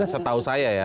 setahu saya ya